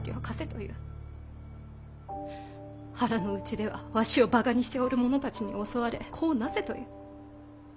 腹の内ではわしをバカにしておる者たちに襲われ子をなせという。